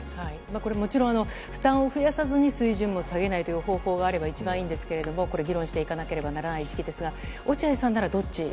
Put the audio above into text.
これ、もちろん負担を増やさずに、水準を下げないという方法があれば一番いいんですけれども、これ、議論していかなければならないんですが、落合さんならどっち。